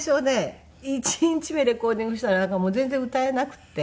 １日目レコーディングしたら全然歌えなくて。